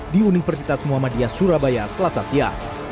di universitas muhammadiyah surabaya selasasia